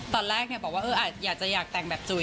ตอนแรกเนี่ยก็อยากแต่งแบบจุ๊ย